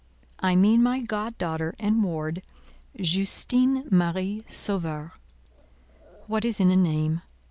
I mean my god daughter and ward, Justine Marie Sauveur." What is in a name?